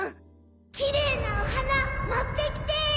・キレイなおはなもってきて！